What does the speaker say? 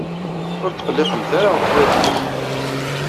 Ur tqelliqemt ara ɣef watig!